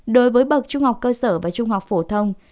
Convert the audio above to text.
đối với bậc trung học cơ sở và trung học phổ thông